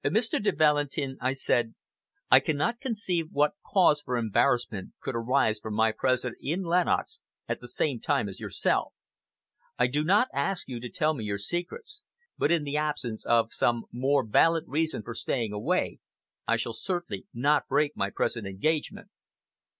"Mr. de Valentin," I said, "I cannot conceive what cause for embarrassment could arise from my presence in Lenox at the same time as yourself. I do not ask you to tell me your secrets; but, in the absence of some more valid reason for staying away, I shall certainly not break my present engagement."